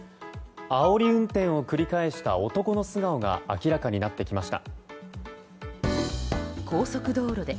あおり運転を繰り返した男の素顔が明らかになってきました。